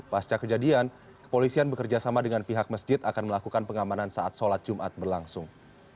pasca kejadian kepolisian bekerjasama dengan pihak masjid akan melakukan pengamanan saat sholat jumat berlangsung